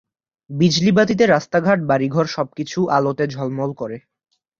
বিজলি বাতিতে রাস্তাঘাট, বাড়িঘর সবকিছু আলোতে ঝলমল করে।